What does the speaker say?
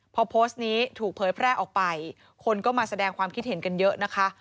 พอโพสต์นี้ถูกเผยแพร่ออกไปคนก็มาแสดงความคิดเห็นกันเยอะนะคะ